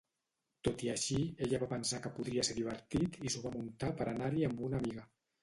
Tot i així, ella va pensar que podria ser divertit i s'ho va muntar per anar-hi amb una amiga.